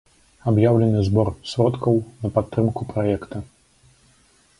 Аб'яўлены збор сродкаў на падтрымку праекта.